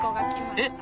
えっ？